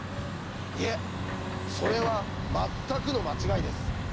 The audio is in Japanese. いえそれは全くの間違いです。